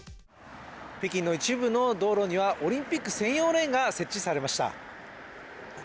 北京の一部の道路にはオリンピック専用レーンが設置されました。